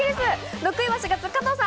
６位は４月、加藤さん。